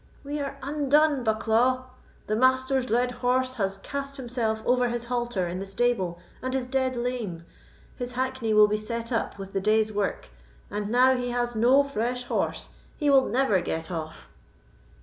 "We are undone, Bucklaw! The Master's led horse has cast himself over his halter in the stable, and is dead lame. His hackney will be set up with the day's work, and now he has no fresh horse; he will never get off."